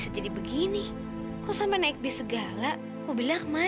eh pak sobir gimana sih pak mobilnya